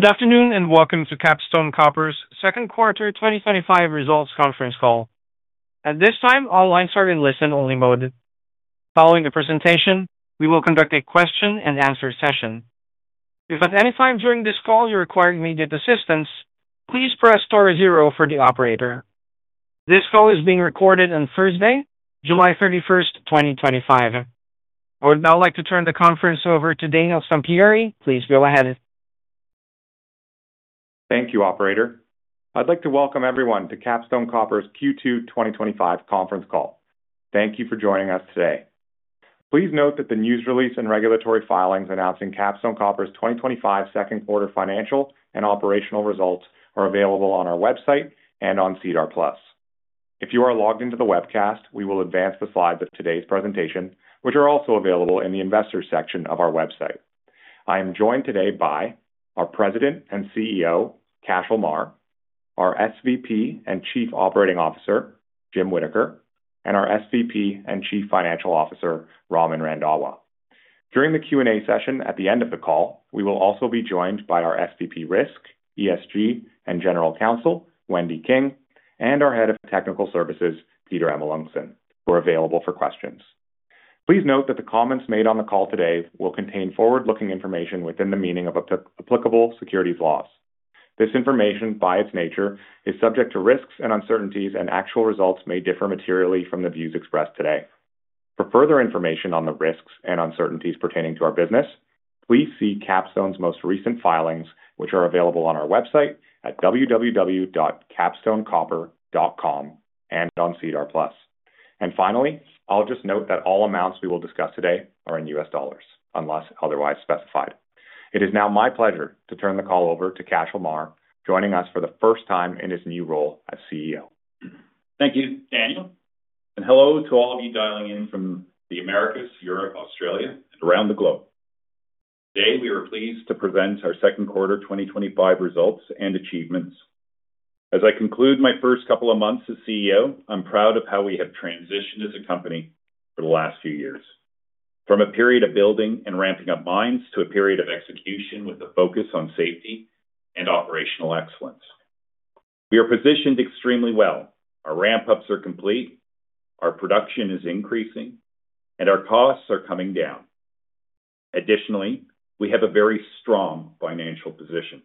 Good afternoon and welcome to Capstone Copper's Second Quarter 2025 Results conference call. At this time, all lines are in listen-only mode. Following the presentation, we will conduct a question and answer session. If at any time during this call you require immediate assistance, please press star zero for the operator. This call is being recorded on Thursday, July 31, 2025. I would now like to turn the conference over to Daniel Sampieri. Please go ahead. Thank you, operator. I'd like to welcome everyone to Capstone Copper's Q2 2025 conference call. Thank you for joining us today. Please note that the news release and regulatory filings announcing Capstone Copper's 2025 second quarter financial and operational results are available on our website and on SEDAR+. If you are logged into the webcast, we will advance the slides of today's presentation, which are also available in the Investors section of our website. I am joined today by our President and CEO Cashel Meagher, our SVP and Chief Operating Officer Jim Whittaker, and our. President and Chief Financial Officer Raman Randhawa. During the Q and A session at the end of the call, we will also be joined by our Senior Vice President, Risk ESG and General Counsel Wendy King, and our Head of Technical Services Peter Amelunxen, who are available for questions. Please note that the comments made on the call today will contain forward-looking information within the meaning of applicable securities laws. This information by its nature is subject to risks and uncertainties, and actual results may differ materially from the views expressed today. For further information on the risks and uncertainties pertaining to our business, please see Capstone Copper's most recent filings, which are available on our website at www.capstonecopper.com and on SEDAR+. Finally, I'll just note that all amounts we will discuss today are in U.S. Dollars unless otherwise specified. It is now my pleasure to turn the call over to Cashel Meagher, joining us for the first time in his new role as CEO. Thank you, Daniel, and hello to all of you dialing in from the Americas, Europe, Australia, and around the globe. Today we were pleased to present our second quarter 2025 results and achievements. As I conclude my first couple of months as CEO, I'm proud of how we have transitioned as a company for the last few years from a period of building and ramping up mines to a period of execution with a focus on safety and operational excellence. We are positioned extremely well. Our ramp-ups are complete, our production is increasing, and our costs are coming down. Additionally, we have a very strong financial position.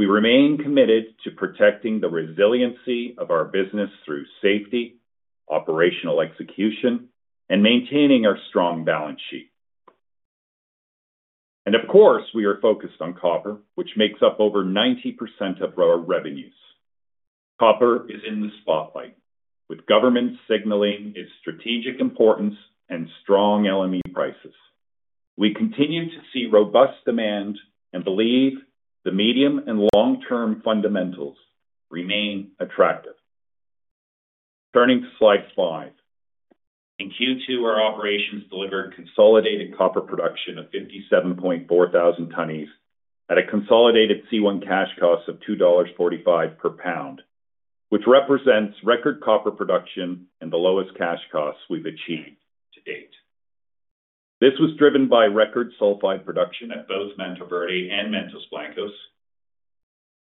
We remain committed to protecting the resiliency of our business through safety, operational execution, and maintaining our strong balance sheet. Of course, we are focused on copper, which makes up over 90% of our revenues. Copper is in the spotlight with government signaling its strategic importance and strong LME prices. We continue to see robust demand and believe the medium and long-term fundamentals remain attractive. Turning to Slide 5, in Q2, our operations delivered consolidated copper production of 57.4 thousand tonnes at a consolidated C1 cash cost of $2.45 per pound, which represents record copper production and the lowest cash costs we've achieved to date. This was driven by record sulfide production at both Mantoverde and Mantos Blancos.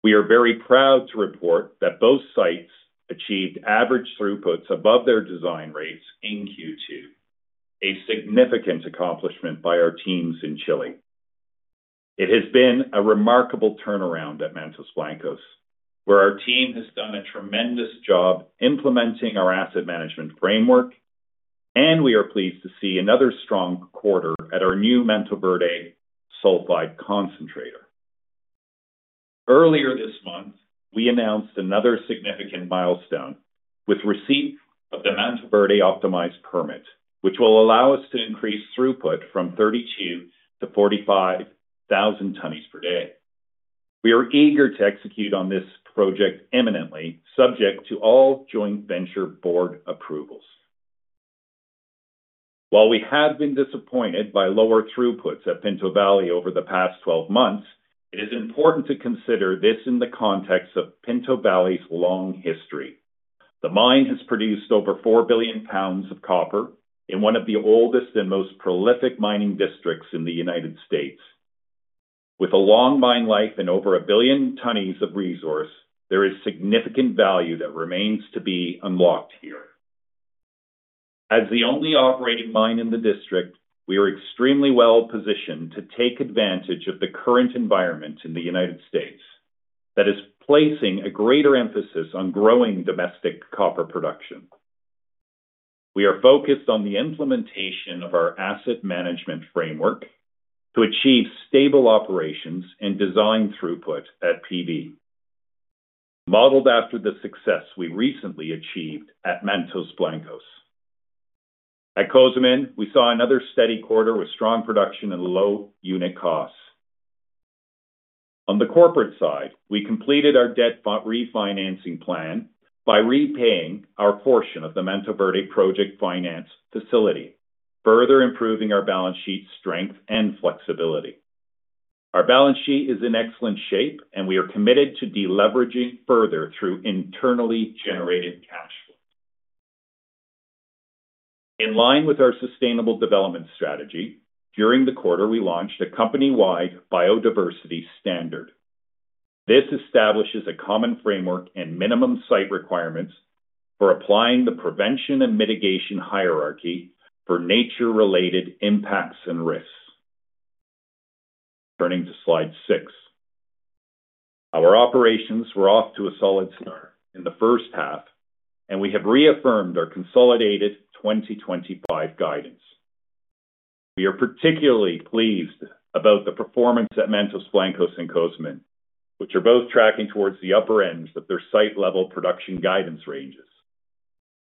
We are very proud to report that both sites achieved average throughputs above their design rates in Q2, a significant accomplishment by our teams in Chile. It has been a remarkable turnaround at Mantos Blancos, where our team has done a tremendous job implementing our asset management framework, and we are pleased to see another strong quarter at our new Mantoverde Sulfide concentrator. Earlier this month, we announced another significant milestone with receipt of the Mantoverde Optimized permit, which will allow us to increase throughput from 32,000-45,000 tonnes per day. We are eager to execute on this project imminently, subject to all Joint Venture Board approvals. While we have been disappointed by lower throughputs at Pinto Valley over the past 12 months, it is important to consider this in the context of Pinto Valley's long history. The mine has produced over four billion pounds of copper in one of the oldest and most prolific mining districts in the United States. With a long mine life and over a billion tonnes of resource, there is significant value that remains to be unlocked here. As the only operating mine in the district, we are extremely well positioned to take advantage of the current environment in the United States. that is placing a greater emphasis on growing domestic copper production. We are focused on the implementation of our asset management framework to achieve stable operations and design throughput at Pinto Valley, modeled after the success we recently achieved at Mantos Blancos. At Cozamin, we saw another steady quarter with strong production and low unit costs. On the corporate side, we completed our debt refinancing plan by repaying our portion of the Manto Verde Project finance facility, further improving our balance sheet strength and flexibility. Our balance sheet is in excellent shape and we are committed to deleveraging further through internally generated cash flow in line with our sustainable development strategy. During the quarter, we launched a company-wide biodiversity standard. This establishes a common framework and minimum site requirements for applying the prevention and mitigation hierarchy to nature-related impacts and risks. Turning to slide 6, our operations were off to a solid start in the first half and we have reaffirmed our consolidated 2025 guidance. We are particularly pleased about the performance at Mantos Blancos and Cozamin, which are both tracking towards the upper ends of their site-level production guidance ranges,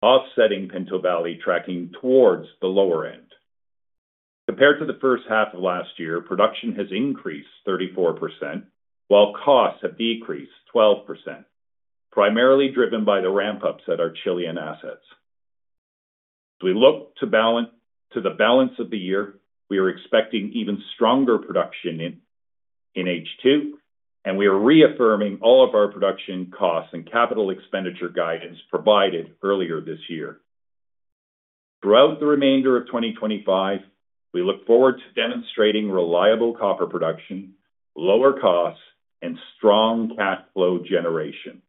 offsetting Pinto Valley tracking towards the lower end. Compared to the first half of last year, production has increased 34% while costs have decreased 12%, primarily driven by the ramp-ups at our Chilean assets. We look to the balance of the year. We are expecting even stronger production in H2 and we are reaffirming all of our production, costs, and capital expenditure guidance provided earlier this year. Throughout the remainder of 2025, we look forward to demonstrating reliable copper production, lower costs, and strong cash flow generation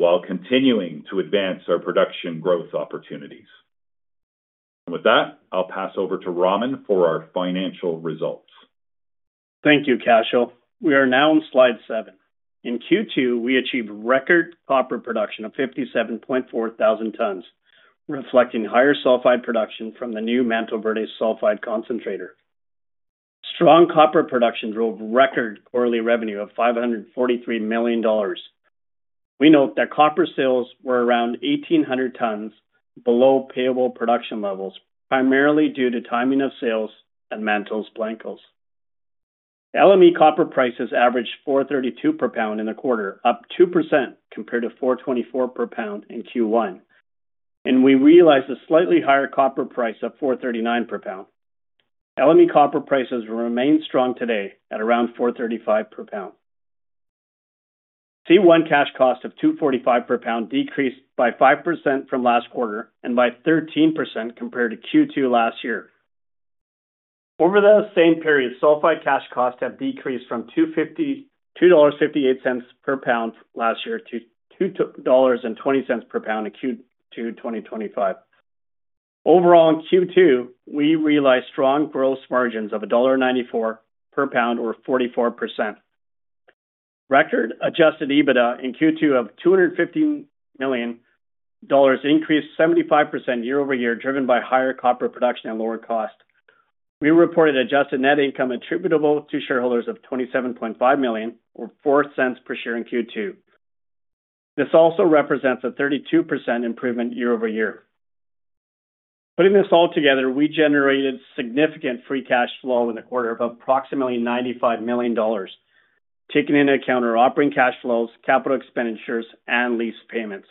while continuing to advance our production growth opportunities. With that, I'll pass over to Raman for our financial results. Thank you Cashel. We are now on slide 7. In Q2 we achieved record copper production of 57.4 thousand tons, reflecting higher sulfide production from the new Manto Verde sulfide concentrator. Strong copper production drove record quarterly revenue of $543 million. We note that copper sales were around 1,800 tons below payable production levels, primarily due to timing of sales and Mantos Blancos. LME copper prices averaged $4.32 per pound in the quarter, up 2% compared to $4.24 per pound in Q1, and we realized a slightly higher copper price of $4.39 per pound. LME copper prices remain strong today at around $4.35 per pound. C1 cash cost of $2.45 per pound decreased by 5% from last quarter and by 13% compared to Q2 last year. Over the same period, sulfide cash costs have decreased from $2.58 per pound last year to $2.20 per pound in Q2 2025. Overall in Q2 we realized strong gross margins of $1.94 per pound or 44%. Record adjusted EBITDA in Q2 of $250 million increased 75% year-over-year, driven by higher copper production and lower cost. We reported adjusted net income attributable to shareholders of $27.5 million or $0.04 per share in Q2. This also represents a 32% improvement year over year. Putting this all together, we generated significant free cash flow in the quarter of approximately $95 million, taking into account our operating cash flows, capital expenditures, and lease payments.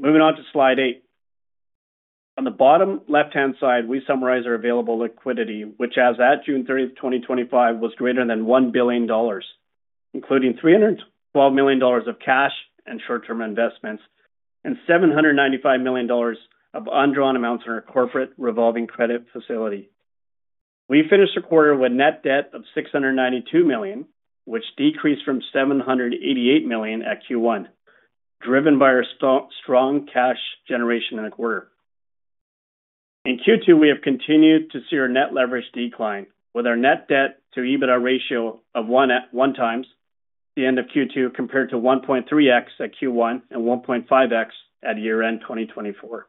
Moving on to slide 8, on the bottom left-hand side, we summarize our available liquidity, which as at June 30, 2025, was greater than $1 billion, including $312 million of cash and short-term investments and $795 million of undrawn amounts on our corporate revolving credit facility. We finished the quarter with net debt of $692 million, which decreased from $788 million at Q1, driven by our strong cash generation in the quarter. In Q2 we have continued to see our net leverage decline, with our net debt to EBITDA ratio of 1x at the end of Q2 compared to 1.3x at Q1 and 1.5x at year end 2024.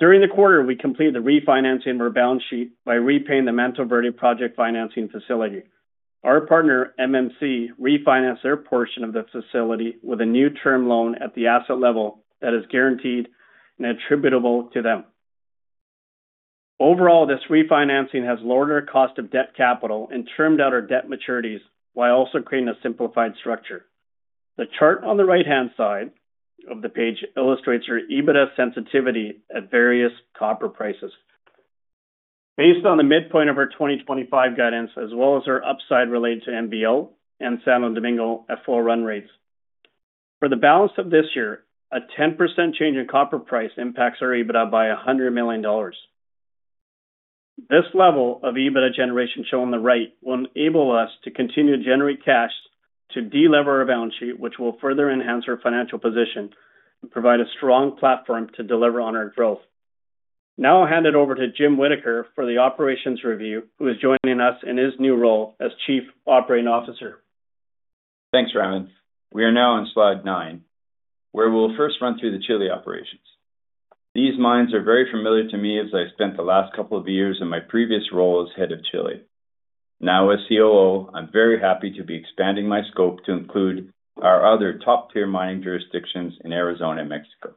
During the quarter we completed the refinancing of our balance sheet by repaying the Mantoverde Project Financing Facility. Our partner MMC refinanced their portion of the facility with a new term loan at the asset level that is guaranteed and attributable to them. Overall, this refinancing has lowered our cost of debt capital and trimmed out our debt maturities while also creating a simplified structure. The chart on the right-hand side of the page illustrates our EBITDA sensitivity at various copper prices based on the midpoint of our 2025 guidance as well as our upside related to Mantos Blancos and Santo Domingo. At full run rates for the balance of this year, a 10% change in copper price impacts our EBITDA by $100 million. This level of EBITDA generation shown on the right will enable us to continue to generate cash to delever our balance sheet, which will further enhance our financial position and provide a strong platform to deliver on our growth. Now I'll hand it over to Jim Whittaker for the Operations review, who is joining us in his new role as Chief Operating Officer. Thanks, Raman. We are now on slide 9 where we'll first run through the Chile operations. These mines are very familiar to me as I spent the last couple of years in my previous role as Head of Chile. Now as COO, I'm very happy to be expanding my scope to include our other top tier mining jurisdictions in Arizona and Mexico.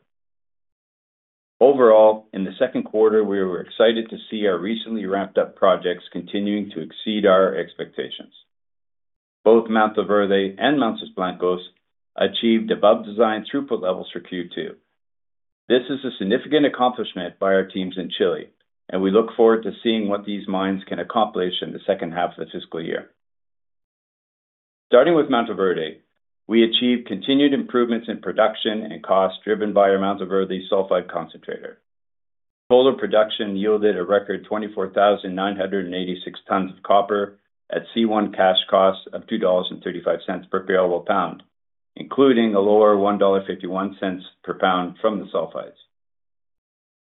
Overall in the second quarter, we were excited to see our recently ramped up projects continuing to exceed our expectations. Both Mantoverde and Mantos Blancos achieved above design throughput levels for Q2. This is a significant accomplishment by our teams in Chile, and we look forward to seeing what these mines can accomplish in the second half of the fiscal year. Starting with Mantoverde, we achieved continued improvements in production and cost driven by our Mantoverde Sulfide concentrator. Total production yielded a record 24,986 tons of copper at C1 cash costs of $2.35 per available pound, including a lower $1.51 per pound from the sulfides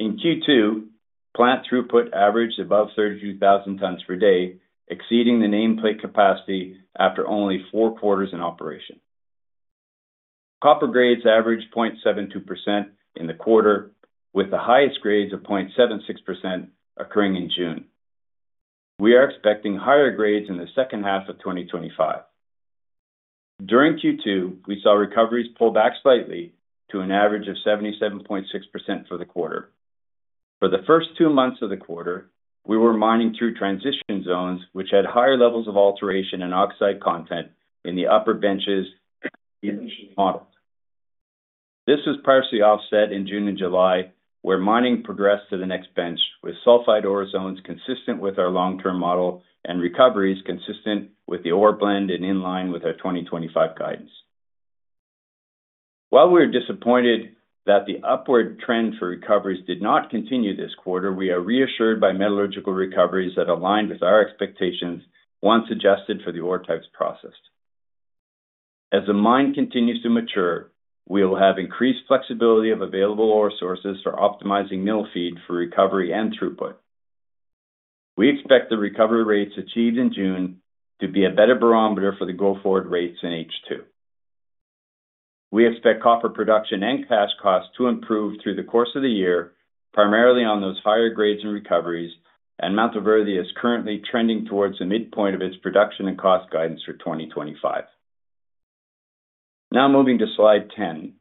in Q2. Plant throughput averaged above 32,000 tons per day, exceeding the nameplate capacity after only four quarters in operation. Copper grades averaged 0.72% in the quarter, with the highest grades of 0.76% occurring in June. We are expecting higher grades in the second half of 2025. During Q2, we saw recoveries pull back slightly to an average of 77.6% for the quarter. For the first two months of the quarter, we were mining through transition zones which had higher levels of alteration and oxide content in the upper benches modeled. This was partially offset in June and July by where mining progressed to the next bench with sulfide ore zones consistent with our long term model and recoveries consistent with the ore blend and in line with our 2025 guidance. While we're disappointed that the upward trend for recoveries did not continue this quarter, we are reassured by metallurgical recoveries that aligned with our expectations once adjusted for the ore types processed. As the mine continues to mature, we will have increased flexibility of available ore sources for optimizing mill feed for recovery and throughput. We expect the recovery rates achieved in June to be a better barometer for the go forward rates in H2. We expect copper production and cash costs to improve through the course of the year primarily on those higher grades and recoveries, and Mantoverde is currently trending towards the midpoint of its production and cost guidance for 2025. Now moving to Slide 10,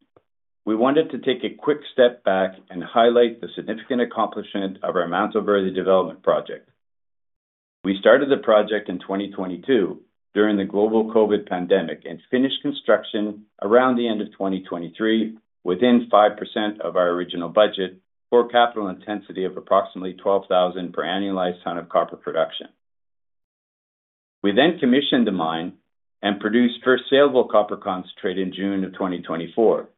we wanted to take a quick step back and highlight the significant accomplishment of our Manto Verde development project. We started the project in 2022 during the global COVID pandemic and finished construction around the end of 2023 within 5% of our original budget for capital intensity of approximately $12,000 per annualized ton of copper production. We then commissioned the mine and produced first saleable copper concentrate in June of 2024,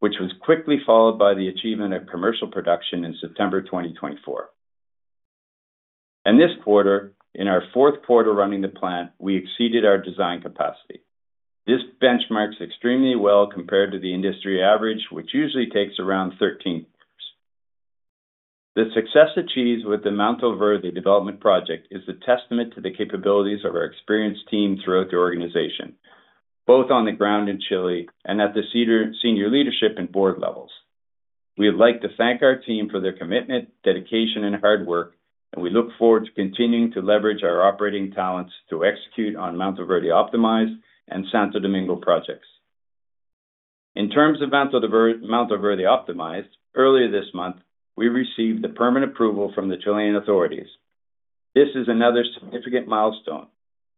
which was quickly followed by the achievement of commercial production in September 2024 and this quarter. In our fourth quarter running the plant, we exceeded our design capacity. This benchmarks extremely well compared to the industry average, which usually takes around 13 quarters. The success achieved with the Mantoverde development project is a testament to the capabilities of our experienced team throughout the organization, both on the ground in Chile and at the senior leadership and board levels. We would like to thank our team for their commitment, dedication, and hard work, and we look forward to continuing to leverage our operating talents to execute on Mantoverde Optimized and Santo Domingo projects. In terms of Mantoverde Optimized, earlier this month we received the permit approval from the Chilean authorities. This is another significant milestone,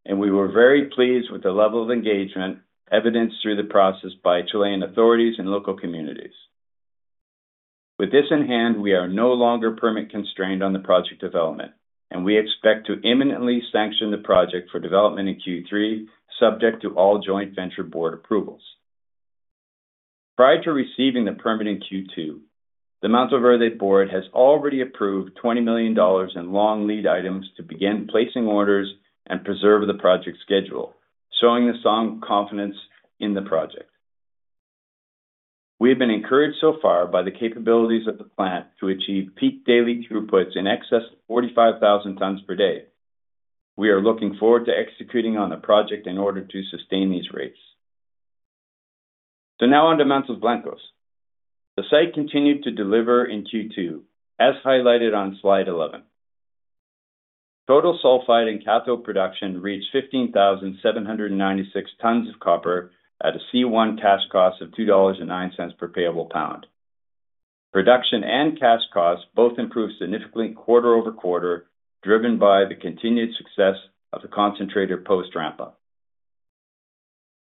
and we were very pleased with the level of engagement evidenced through the process by Chilean authorities and local communities. With this in hand, we are no longer permit constrained on the project development, and we expect to imminently sanction the project for development in Q3 subject to all Joint Venture Board approvals. Prior to receiving the permit in Q2, the Mantoverde board has already approved $20 million in long lead items to begin placing orders and preserve the project schedule, showing the strong confidence in the project. We have been encouraged so far by the capabilities of the plant to achieve peak daily throughputs in excess of 45,000 tons per day. We are looking forward to executing on the project in order to sustain these rates. Now on to Mantos Blancos. The site continued to deliver in Q2 as highlighted on Slide 11. Total sulfide and cathode production reached 15,796 tons of copper at a C1 cash cost of $2.09 per payable pound. Production and cash costs both improved significantly quarter over quarter, driven by the continued success of the concentrator post ramp up.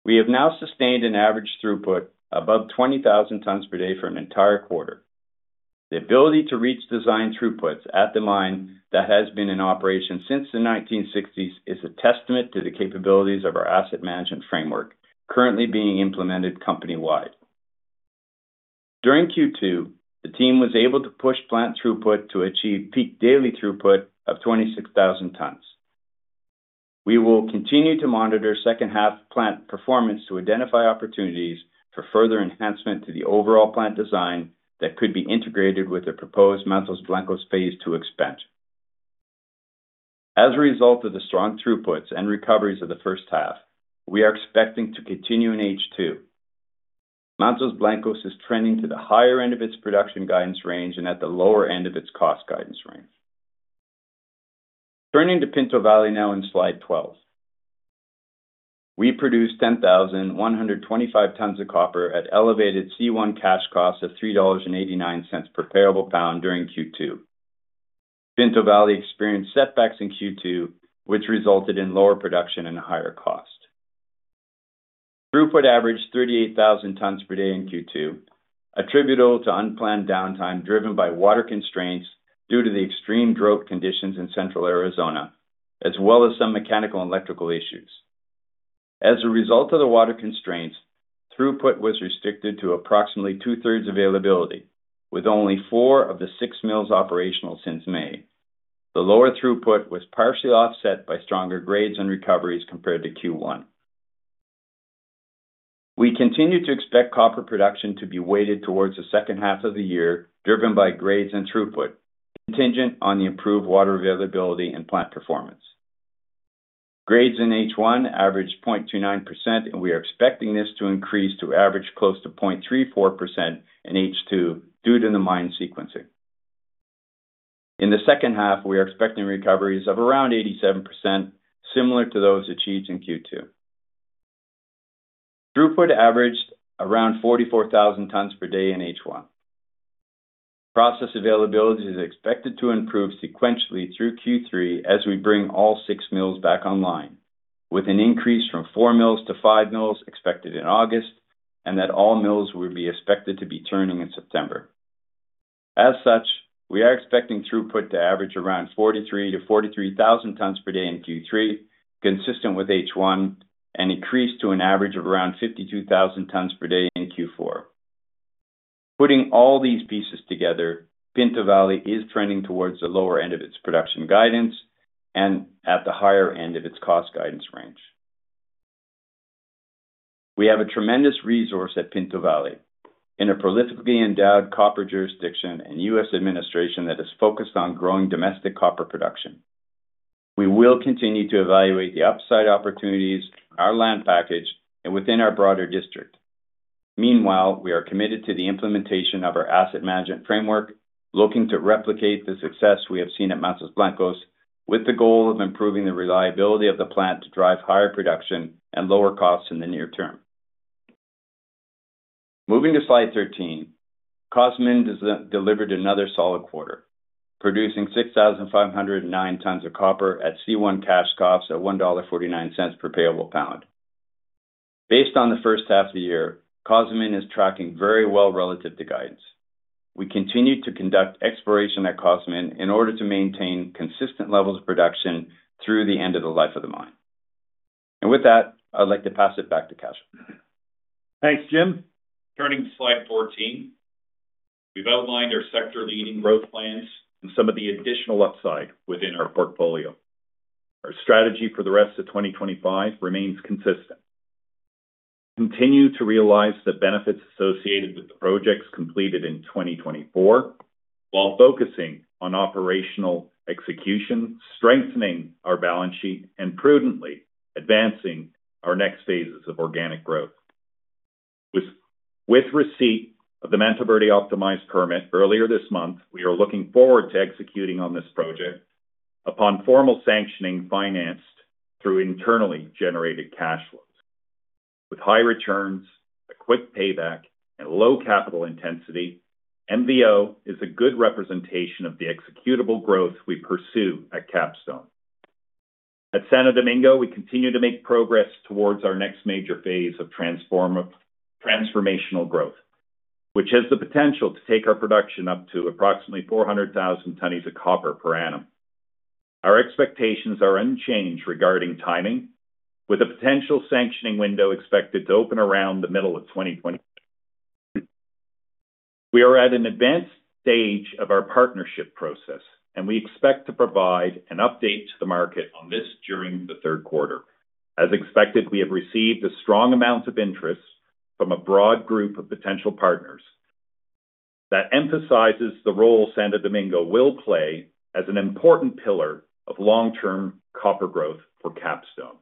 We have now sustained an average throughput above 20,000 tons per day for an entire quarter. The ability to reach design throughputs at the mine that has been in operation since the 1960s is a testament to the capabilities of our asset management framework currently being implemented company wide. During Q2, the team was able to push plant throughput to achieve peak daily throughput of 26,000 tons. We will continue to monitor second half plant performance to identify opportunities for further enhancement to the overall plant design that could be integrated with the proposed Mantos Blancos Phase Two expansion. As a result of the strong throughputs and recoveries of the first half, we are expecting to continue in H2. Mantos Blancos is trending to the higher end of its production guidance range and at the lower end of its cost guidance range. Turning to Pinto Valley now in slide 12, we produced 10,125 tons of copper at elevated C1 cash cost of $3.89 per pound. During Q2, Pinto Valley experienced setbacks in Q2 which resulted in lower production and higher cost. Throughput averaged 38,000 tons per day in Q2, attributable to unplanned downtime driven by water constraints due to the extreme drought conditions in Central Arizona as well as some mechanical electrical issues. As a result of the water constraints, throughput was restricted to approximately two-thirds availability, with only 4 of the 6 mills operational since May. The lower throughput was partially offset by stronger grades and recoveries compared to Q1. We continue to expect copper production to be weighted towards the second half of the year driven by grades and throughput contingent on the improved water availability and plant performance. Grades in H1 averaged 0.29% and we are expecting this to increase to average close to 0.34% in H2 due to the mine sequencing in the second half. We are expecting recoveries of around 87%, similar to those achieved in Q2. Throughput averaged around 44,000 tons per day in H1. Process availability is expected to improve sequentially through Q3 as we bring all 6 mills back online, with an increase from 4 mills-5 mills expected in August and that all mills will be expected to be turning in September. As such, we are expecting throughput to average around 43,000 tons per day in Q3, consistent with H1, and increase to an average of around 52,000 tons per day in Q4. Putting all these pieces together, Pinto Valley is trending towards the lower end of its production guidance and at the higher end of its cost guidance range. We have a tremendous resource at Pinto Valley in a prolifically endowed copper jurisdiction and U.S. Administration that is focused on growing domestic copper production. We will continue to evaluate the upside opportunities our land package and within our broader district. Meanwhile, we are committed to the implementation of our asset management framework, looking to replicate the success we have seen at Mantos Blancos with the goal of improving the reliability of the plant to drive higher production and lower costs in the near term. Moving to Slide 13, Cozamin delivered another solid quarter, producing 6,509 tons of copper at C1 cash cost at $1.49 per payable pound based on the first half of the year. Cozamin is tracking very well relative to guidance. We continue to conduct exploration at Cozamin in order to maintain consistent levels of production through the end of the life of the mine and with that I'd like to pass it back to Cashel. Thanks, Jim. Turning to Slide 14, we've outlined our sector-leading growth plans and some of the additional upside within our portfolio. Our strategy for the rest of 2025 remains consistent: continue to realize the benefits associated with the projects completed in 2024 while focusing on operational execution, strengthening our balance sheet, and prudently advancing our next phases of organic growth. With receipt of the Mantoverde Optimized permit earlier this month, we are looking forward to executing on this project upon formal sanctioning. Financed through internally generated cash flows with high returns, a quick payback, and low capital intensity, MVO is a good representation of the executable growth we pursue at Capstone. At Santo Domingo, we continue to make progress towards our next major phase of transformational growth, which has the potential to take our production up to approximately 400,000 tonnes of copper per annum. Our expectations are unchanged regarding timing, with a potential sanctioning window expected to open around the middle of 2022. We are at an advanced stage of our partnership process, and we expect to provide an update to the market on this during the third quarter. As expected, we have received a strong amount of interest from a broad group of potential partners that emphasizes the role Santo Domingo will play as an important pillar of long-term copper growth for Capstone.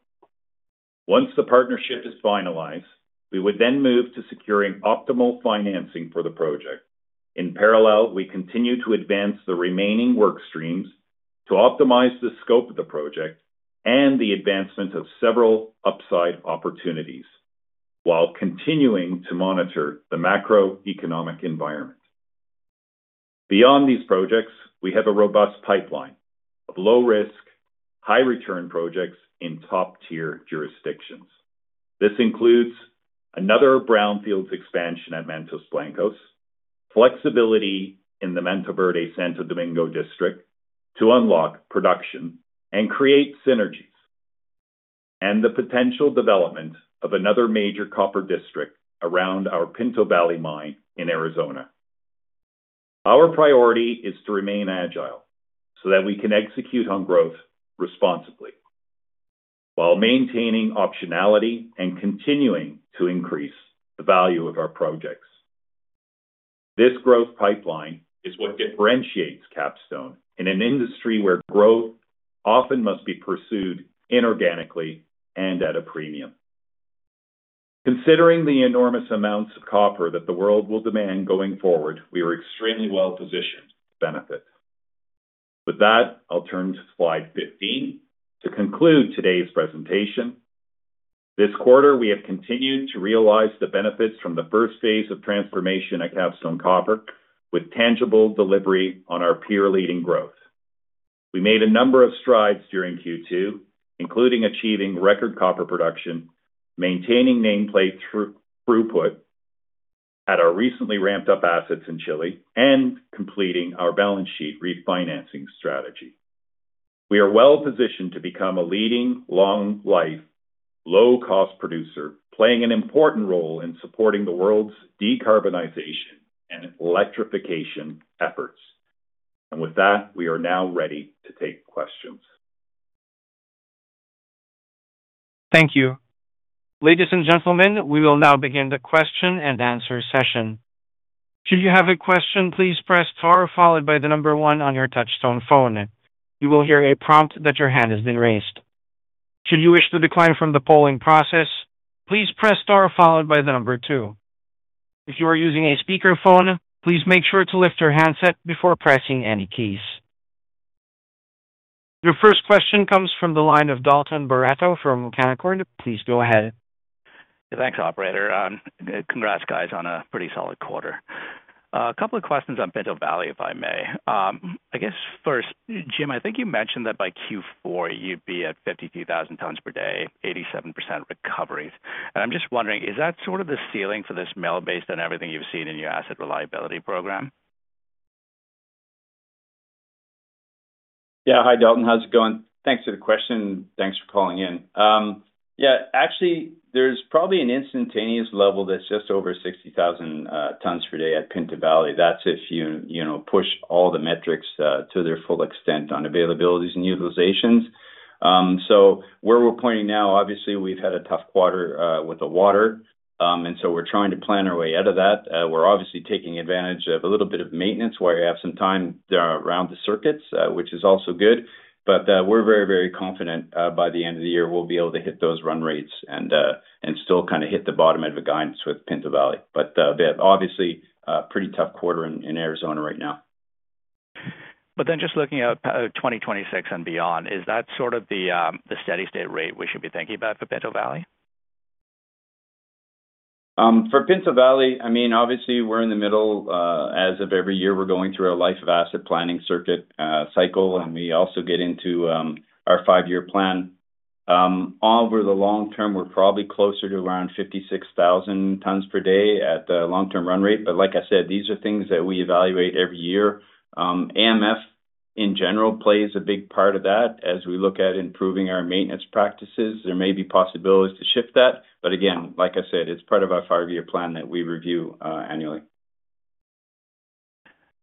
Once the partnership is finalized, we would then move to securing optimal financing for the project. In parallel, we continue to advance the remaining work streams to optimize the scope of the project and the advancement of several upside opportunities while continuing to monitor the macroeconomic environment. Beyond these projects, we have a robust pipeline of low-risk, high-return projects in top-tier jurisdictions. This includes another brownfields expansion at Mantos Blancos, flexibility in the Mantoverde-Santo Domingo district to unlock production and create synergies, and the potential development of another major copper district around our Pinto Valley mine in Arizona. Our priority is to remain agile so that we can execute on growth responsibly while maintaining optionality and continuing to increase the value of our projects. This growth pipeline is what differentiates Capstone in an industry where growth often must be pursued inorganically and at a premium. Considering the enormous amounts of copper that the world will demand going forward, we are extremely well positioned to benefit. With that, I'll turn to Slide 15 to conclude today's presentation. This quarter we have continued to realize the benefits from the first phase of transformation at Capstone Copper with tangible delivery on our peer leading growth. We made a number of strides during Q2, including achieving record copper production, maintaining nameplate throughput at our recently ramped up assets in Chile, and completing our balance sheet refinancing strategy. We are well positioned to become a leading long life, low cost producer playing an important role in supporting the world's decarbonization and electrification efforts. We are now ready to take questions. Thank you, ladies and gentlemen. We will now begin the question and answer session. Should you have a question, please press STAR followed by the number one. On your touch-tone phone, you will hear a prompt that your hand has been raised. Should you wish to decline from the polling process, please press STAR followed by the number two. If you are using a speakerphone, please make sure to lift your handset before pressing any keys. Your first question comes from the line of Dalton Baretto from Canaccord. Please go ahead. Thanks, operator. Congrats guys on a pretty solid quarter. A couple of questions on Pinto Valley, if I may. I guess first, Jim, I think you mentioned that by Q4 you'd be at 52,000 tons per day, 87% recovery. I'm just wondering, is that sort of the ceiling for this mill based on everything you've seen in your asset reliability program? Yeah. Hi, Dalton, how's it going? Thanks for the question. Thanks for calling in. Yeah, actually there's probably an instantaneous level that's just over 60,000 tons per day at Pinto Valley. That's if you push all the metrics to their full extent on availabilities and utilizations. Where we're pointing now, obviously we've had a tough quarter with the water and we're trying to plan our way out of that. We're obviously taking advantage of a little bit of maintenance where you have some time around the circuits, which is also good. We're very, very confident by the end of the year we'll be able to hit those run rates and still kind of hit the bottom end of guidance with Pinto Valley. Obviously, pretty tough quarter in Arizona right now. Just looking at 2026 and beyond, is that sort of the steady state rate we should be thinking about for Pinto Valley? For Pinto Valley, I mean, obviously we're in the middle as of every year. We're going through a life of asset planning circuit cycle, and we also get into our five year plan. Over the long term, we're probably closer to around 56,000 tons per day at the long term run rate. Like I said, these are things that we evaluate year. AMF in general plays a big part of that. As we look at improving our maintenance practices, there may be possibilities to shift that. Again, like I said, it's part of our five year plan that we review annually.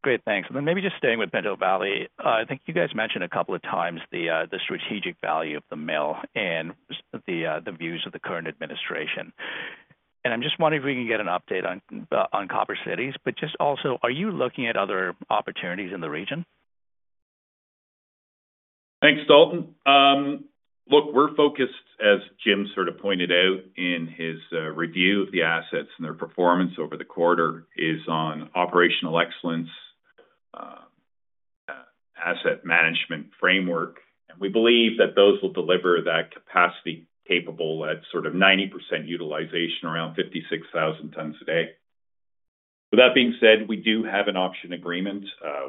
Great, thanks. Maybe just staying with Pinto Valley, I think you guys mentioned a couple of times the strategic value of the mill and the views of the current administration. I'm just wondering if we can get an update on Copper Cities. Also, are you looking at other opportunities in the region? Thanks, Dalton. Look, we're focused, as Jim sort of pointed out in his review of the assets and their performance over the quarter, on operational excellence and asset management framework. We believe that those will deliver that capacity capable at sort of 90% utilization, around 56,000 tons a day. With that being said, we do have an option agreement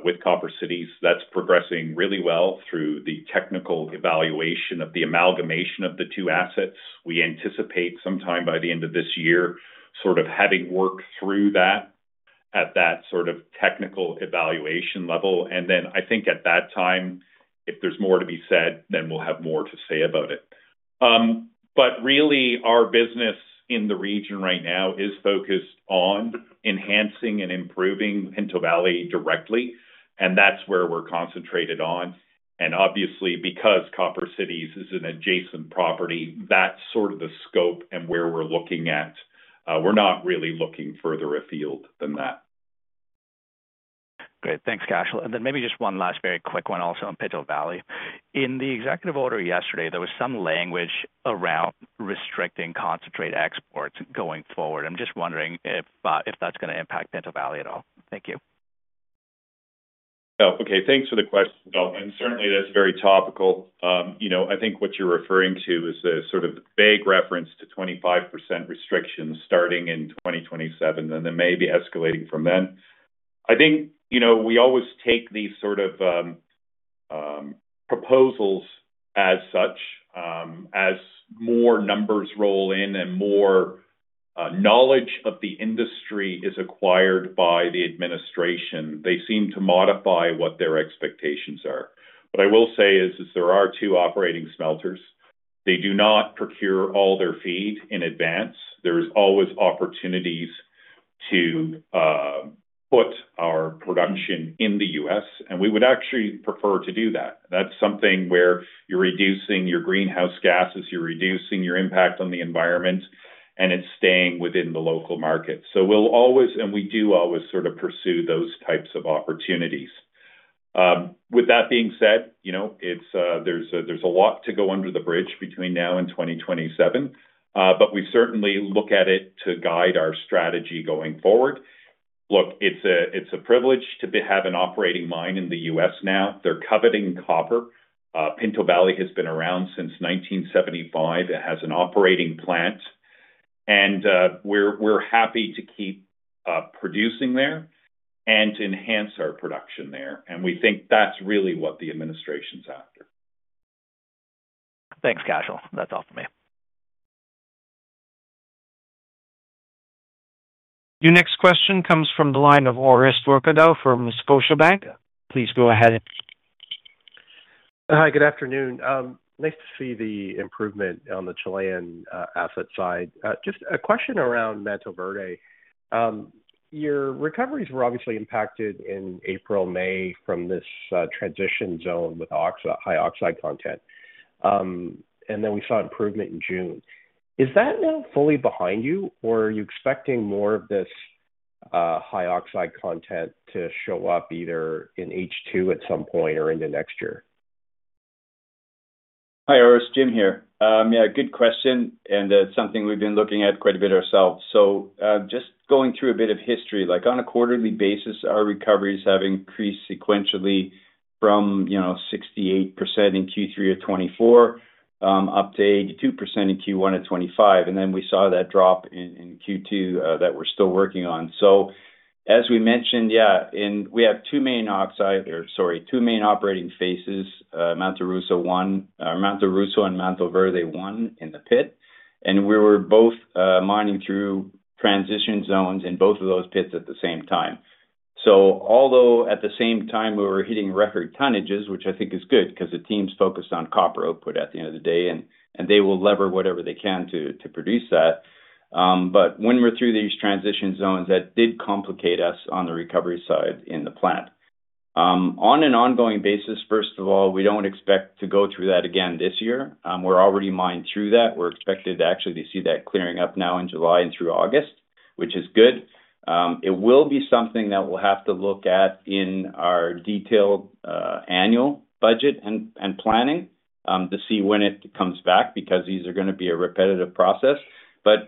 with Copper Cities that's progressing really well through the technical evaluation of the amalgamation of the two assets. We anticipate sometime by the end of this year, sort of having worked through that at that sort of technical evaluation level. I think at that time, if there's more to be said, then we'll have more to say about it. Really, our business in the region right now is focused on enhancing and improving Pinto Valley directly, and that's where we're concentrated on. Obviously, because Copper Cities is an adjacent property, that's sort of the scope and where we're looking at. We're not really looking further afield than that. Great, thanks, Cashel. Maybe just one last, very quick one. Also on Pinto Valley, in the executive order yesterday, there was some language around restricting concentrate exports going forward. I'm just wondering if that's going to impact Pinto Valley at all. Thank you. Okay, thanks for the question. Certainly that's very topical. I think what you're referring to is a sort of vague reference to 25% restrictions starting in 2027 and then maybe escalating from then. I think we always take these sort of proposals as such. As more numbers roll in and more knowledge of the industry is acquired by the administration, they seem to modify what their expectations are. What I will say is there are two operating smelters. They do not procure all their feed in advance. There's always opportunities to put our production in the U.S., and we would actually prefer to do that. That's something where you're reducing your greenhouse gases, you're reducing your impact on the environment, and it's staying within the local market. We'll always, and we do always, sort of pursue those types of opportunities. With that being said, there's a lot to go under the bridge between now and 2027. We certainly look at it to guide our strategy going forward. It's a privilege to have an operating mine in the U.S. Now they're coveting copper. Pinto Valley has been around since 1975. It has an operating plant, and we're happy to keep producing there and to enhance our production there. We think that's really what the administration's after. Thanks, Cashel. That's all for me. Your next question comes from the line of Orest Wowkodaw from Scotiobank. Please go ahead. Hi, good afternoon. Nice to see the improvement on the Chilean asset side. Just a question around Manto Verde, your recoveries were obviously impacted in April, May from this transition zone with high oxide content. We saw improvement in June. Is that now fully behind you? Are you expecting more of this high oxide content to show up either in H2 at some point or into next year? Hi, Orest, Jim here. Yeah, good question. And something we've been looking at quite a bit ourselves. Just going through a bit of history, on a quarterly basis, our recoveries have increased sequentially from 68% in Q3 of 2024 up to 82% in Q1 of 2025. We saw that drop in Q2 that we're still working on, as we mentioned. We have two main oxide, or sorry, two main operating faces, Manto Russo 1, Manto Russo and Mantoverde 1 in the pit. We were mining through transition zones in both of those pits at the same time. At the same time, we were hitting record tonnages, which I think is good because the team's focused on copper output at the end of the day, and they will lever whatever they can to produce that. When we're through these transition zones, that did complicate us on the recovery side in the plant on an ongoing basis. First of all, we don't expect to go through that again this year. We're already mined through that. We're expected actually to see that clearing up now in July and through August, which is good. It will be something that we'll have to look at in our detailed annual budget and planning to see when it comes back, because these are going to be a repetitive process.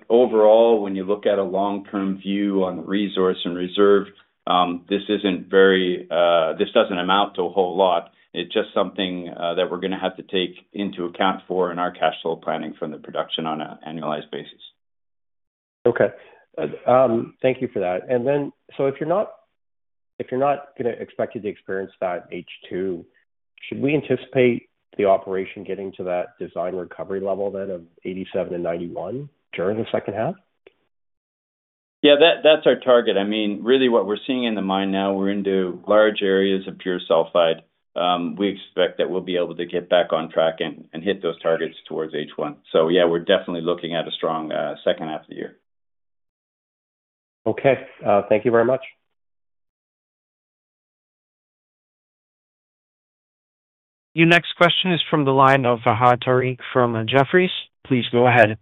Overall, when you look at a long-term view on resource and reserve, this doesn't amount to a whole lot. It's just something that we're going to have to take into account for in our cash flow planning from the production on an annualized basis. Okay, thank you for that. If you're not going to expect to experience that in H2, should we anticipate the operation getting to that design recovery level then of 87% and 91% during the second half? Yeah, that's our target. Really what we're seeing in the mine now, we're into large areas of pure sulfide. We expect that we'll be able to get back on track and hit those targets towards H1. We're definitely looking at a strong second half of the year. Okay, thank you very much. Your next question is from the line of Fahad Tariq from Jefferies. Please go ahead.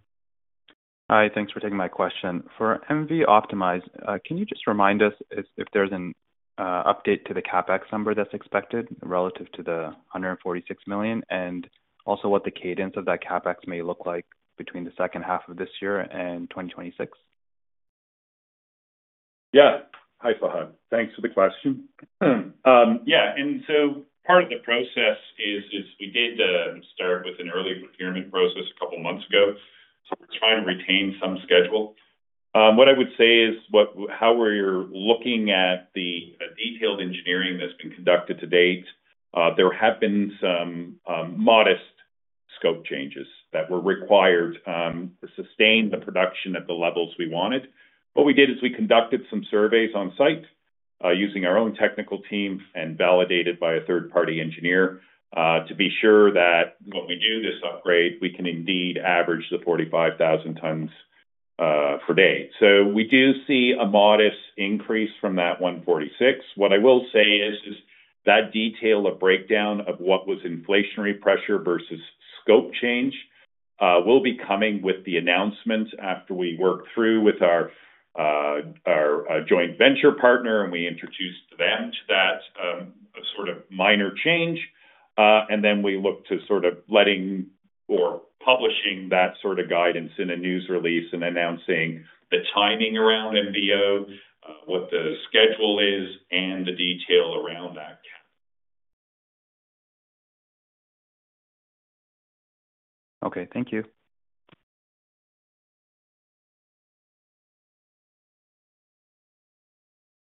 Hi, thanks for taking my question. For Mantoverde Optimized, can you just remind us if there's— An update to the CapEx number, that's. Expected relative to the $146 million and also what the cadence of that CapEx may look like between the second half of this year and 2026? Yeah. Hi Fahad, thanks for the question. Part of the process is we did start with an early procurement process a couple months ago. We're trying to retain some schedule. What I would say is how we're looking at the detailed engineering that's been conducted to date. There have been some modest scope changes that were required to sustain the production at the levels we wanted. What we did is we conducted some surveys on site using our own technical team and validated by a third-party engineer to be sure that when we do this upgrade we can indeed average the 45,000 tons. We do see a modest increase from that 146. What I will say is that detail of breakdown of what was inflationary pressure versus scope change will be coming with the announcement after we work through with our joint venture partner and we introduce them to that sort of minor change. We look to letting or publishing that sort of guidance in a news release and announcing the timing around MBO, what the schedule is and the detail around that. Okay, thank you.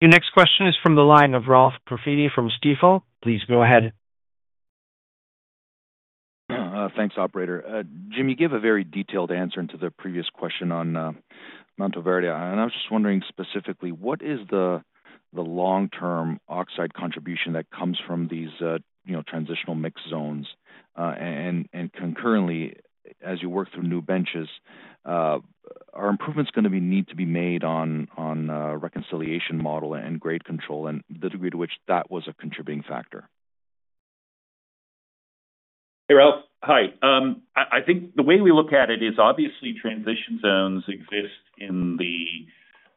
Your next question is from the line of Ralph Profiti from Stifel. Please go ahead. Thanks, operator. Jim, you gave a very detailed answer into the previous question on Mantoverde. I was just wondering specifically what is the long term oxide contribution that comes from these transitional mix zones? Concurrently, as you work through new benches, are improvements going to need to be made on reconciliation model and grade control and the degree to which that was a contributing factor? Hey, Ralph. Hi. I think the way we look at it is obviously transition zones exist in the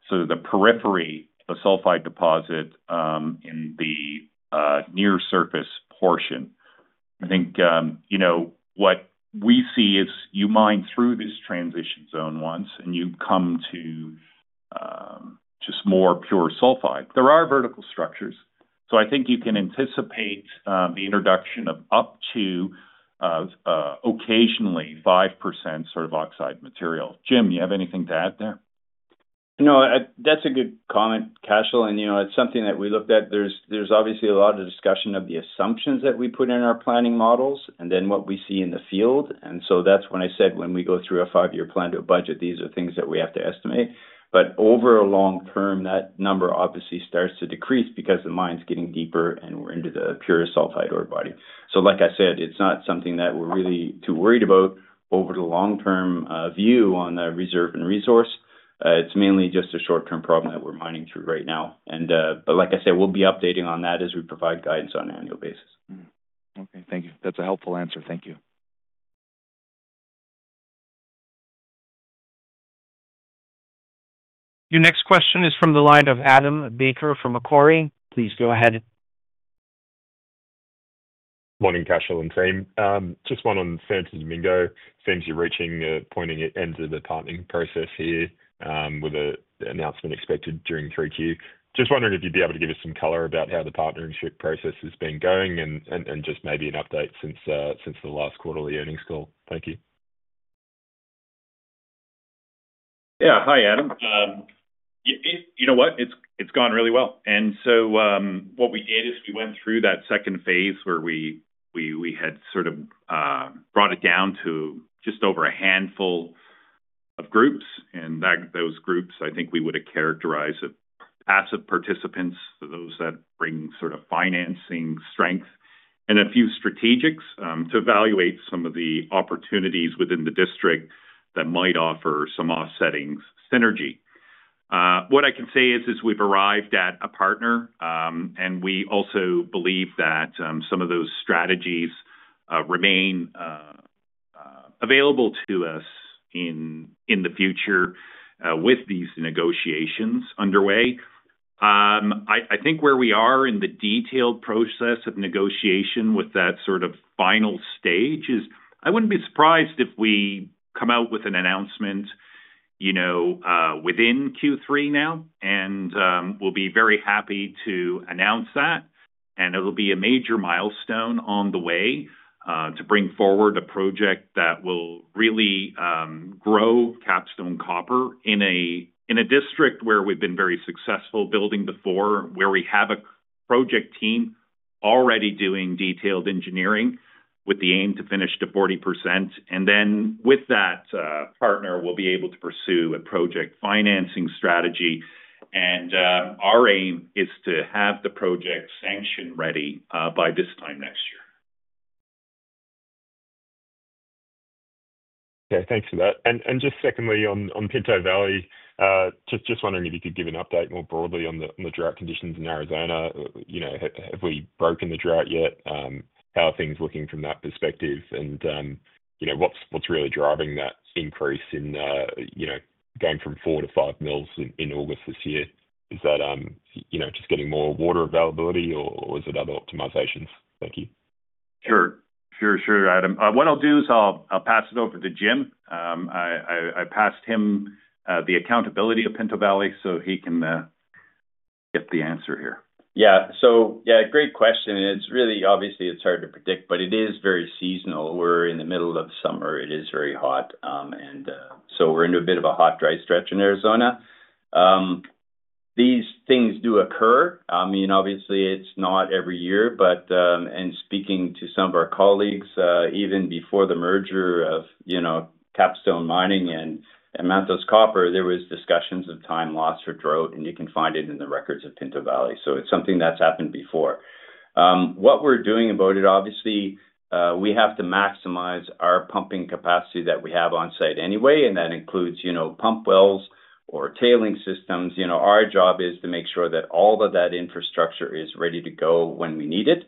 sort of the periphery, the sulfide deposit in the near surface portion. I think what we see is you mine through this transition zone once and you come to just more pure sulfide. There are vertical structures. I think you can anticipate the introduction of up to occasionally 5% sort of oxide material. Jim, you have anything to add there? No, that's a good comment, Cashel. You know, it's something that we looked at. There's obviously a lot of discussion of the assumptions that we put in our planning models and then what we see in the field. When I said when we go through a five year plan to a budget, these are things that we have to estimate. Over a long term that number obviously starts to decrease because the mine's getting deeper and we're into the pure salt hydro body. Like I said, it's not something that we're really too worried about over the long term view on the reserve and resource. It's mainly just a short term problem that we're mining through right now. Like I said, we'll be updating on that as we provide guidance on an annual basis. Okay, thank you. That's a helpful answer. Thank you. Your next question is from the line of Adam Baker from Macquarie. Please go ahead. Morning, Cashel and team. Just one on Santo Domingo. Seems you're reaching the pointy ends of the partnering process here with an announcement expected during 3Q. Just wondering if you'd be able to give us some color about how the partnership process has been going and just maybe an update since the last quarterly earnings call. Thank you. Yeah, hi Adam. You know what, it's gone really well. What we did is we went through that second phase where we had sort of brought it down to just over a handful of groups. Those groups I think we would have characterized as passive participants, those that bring sort of financing strength, and a few strategics to evaluate some of the opportunities within the district that might offer some offsetting synergy. What I can say is we've arrived at a partner and we also believe that some of those strategics remain available to us in the future with these negotiations underway. I think where we are in the detailed process of negotiation with that sort of final stage is I wouldn't be surprised if we come out with an announcement within Q3 now and we'll be very happy to announce that. It'll be a major milestone on the way to bring forward a project that will really grow Capstone Copper in a district where we've been very successful building before, where we have a project team already doing detailed engineering with the aim to finish to 40%. With that partner, we'll be able to pursue a project financing strategy. Our aim is to have the project sanctioned, ready by this time next year. Okay, thanks for that. Just secondly on Pinto Valley, just wondering if you could give an update more broadly on the drought conditions in Arizona. Have we broken the drought yet? How are things looking from that perspective? What's really driving that increase in going from four to five million in August this year? Is that just getting more water availability or is it other optimizations? Thank you. Sure, Adam. What I'll do is I'll pass it over to Jim. I passed him the accountability of Pinto Valley so he can get the answer here. Yeah, great question. It's really, obviously it's hard to predict, but it is very seasonal. We're in the middle of summer, it is very hot, and we're into a bit of a hot, dry stretch in Arizona. These things do occur. I mean, obviously it's not every year, but speaking to some of our colleagues, even before the merger of, you know, Capstone Copper and Mantos Copper, there was discussion of time loss or drought, and you can find it in the records of Pinto Valley. It's something that's happened before. What we're doing about it, obviously, we have to maximize our pumping capacity that we have on site anyway. That includes, you know, pump wells or tailing systems. Our job is to make sure that all of that infrastructure is ready to go when we need it.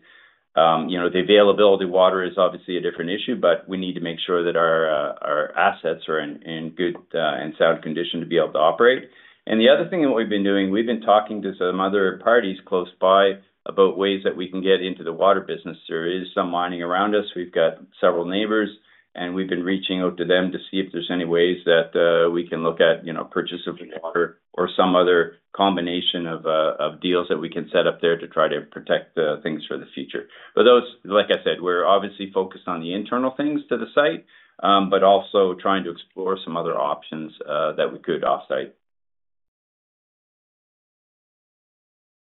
The availability of water is obviously a different issue, but we need to make sure that our assets are in good and sound condition to be able to operate. The other thing that we've been doing, we've been talking to some other parties close by about ways that we can get into the water business. There is some mining around us. We've got several neighbors and we've been reaching out to them to see if there's any ways that we can look at, you know, purchase of water or some other combination of deals that we can set up there to try to protect things for the future. Like I said, we're obviously focused on the internal things to the site, but also trying to explore some other options that we could off site.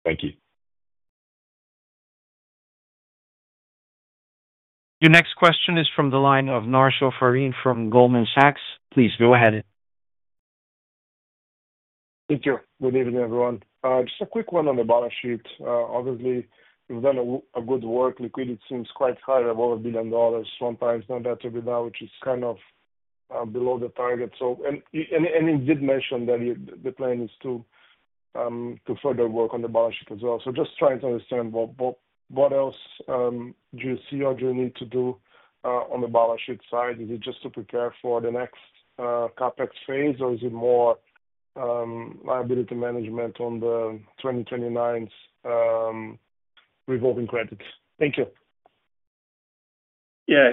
Thank you. Your next question is from the line of Narsho Farid from Goldman Sachs. Please go ahead. Thank you. Good evening everyone. Just a quick one. On the balance sheet, obviously done a good work. Liquidity seems quite higher, above $1 billion sometimes, not that every now, which is kind of below the target. You did mention that the plan is to further work on the balance sheet as well. Just trying to understand what else do you see or do you need to do on the balance sheet side? Is it just to prepare for the next CapEx phase or is it more liability management on the 2029 revolving credit? Thank you. Yeah,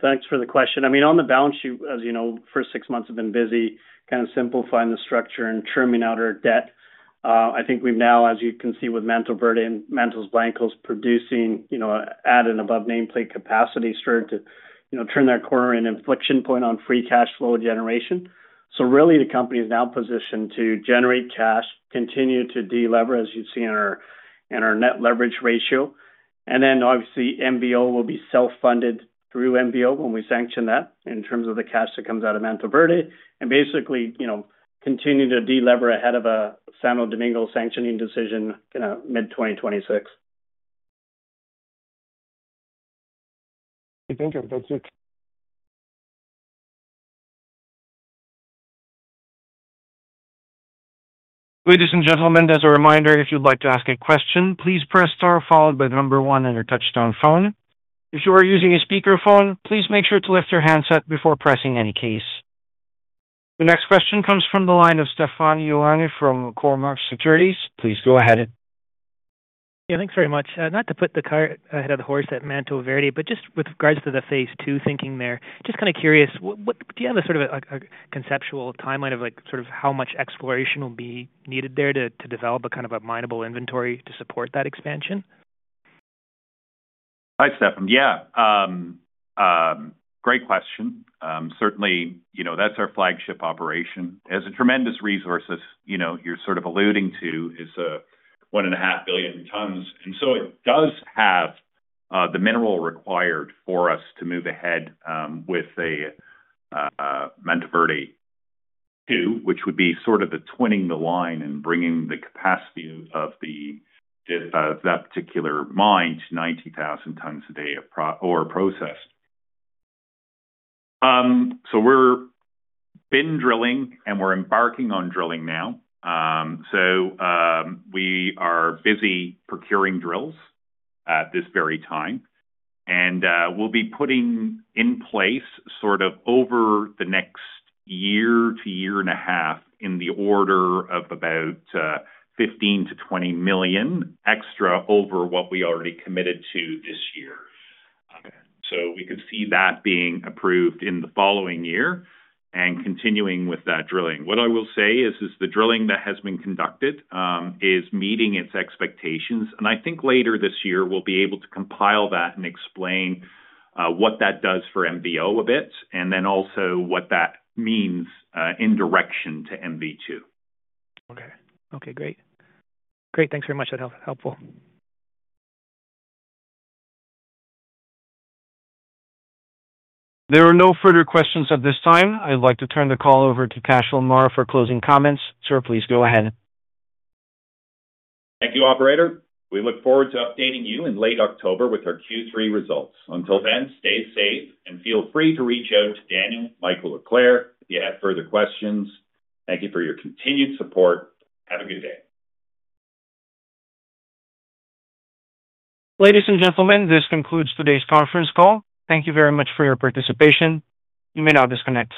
thanks for the question. I mean on the balance sheet, as you know, first six months have been busy kind of simplifying the structure and trimming out our debt. I think we've now, as you can see with Mantoverde and Mantos Blancos producing, you know, at an above nameplate capacity, started to, you know, turn that corner in inflection point on free cash flow generation. The company is now positioned to generate cash, continue to delever as you've seen our and our net leverage ratio. Obviously, MVO will be self funded through MVO when we sanction that in terms of the cash that comes out of Mantoverde and basically, you know, continue to delever ahead of a Santo Domingo sanctioning decision in mid-2026. Thank you. That's. Ladies and gentlemen, as a reminder, if you'd like to ask a question, please press star followed by the number one on your Touchstone phone. If you are using a speakerphone, please make sure to lift your handset before pressing. In any case, the next question comes from the line of Stefan Ioannou from Cormark Securities. Please go ahead. Yeah, thanks very much. Not to put the cart ahead of the horse at Mantoverde, but just with regards to the phase two thinking there, just kind of curious, do you have a sort of conceptual timeline of like sort of how much exploration will be needed there to develop a kind of a minable inventory to support that expansion? Hi Stefan. Yeah, great question. Certainly you know that's our flagship operation as a tremendous resource, as you know you're sort of alluding to is one and a half billion tons. It does have the mineral required for us to move ahead with a Mantoverde 2 which would be sort of the twinning the line and bringing the capacity of that particular mine to 90,000 tons a day of ore processed. We're drilling and we're embarking on drilling now. We are busy procuring drills at this very time, and we'll be putting in place over the next year to year and a half in the order of about $15 million-$20 million extra over what we already committed to this year. We could see that being approved in the following year and continuing with that drilling. What I will say is the drilling that has been conducted is meeting its expectations, and I think later this year we'll be able to compile that and explain what that does for MVO a bit and then also what that means in direction to MV2. Okay, great. Thanks very much. That helpful. There are no further questions at this time. I'd like to turn the call over to Cashel Meagher for closing comments. Sir, please go ahead. Thank you, operator. We look forward to updating you in late October with our Q3 results. Until then, stay safe and feel free to reach out to Daniel, Michael, or Claire if you have further questions. Thank you for your continued support. Have a good day. Ladies and gentlemen, this concludes today's conference call. Thank you very much for your participation. You may now disconnect.